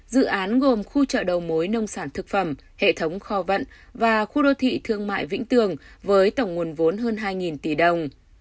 dự án gồm khu chợ đầu mối nông sản thực phẩm hệ thống kho vận và khu đô thị thương mại vĩnh tường với tổng nguồn vốn hơn hai tỷ đồng